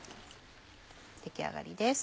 出来上がりです。